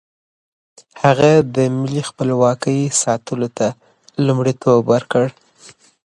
هغه د ملي خپلواکۍ ساتلو ته لومړیتوب ورکړ.